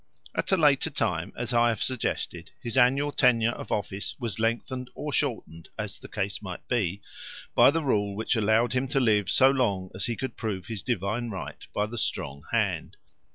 At a later time, as I have suggested, his annual tenure of office was lengthened or shortened, as the case might be, by the rule which allowed him to live so long as he could prove his divine right by the strong hand.